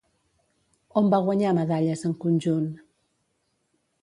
On va guanyar medalles en conjunt?